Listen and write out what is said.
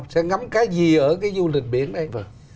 sẽ ngắm cái gì ở cái du lịch biển này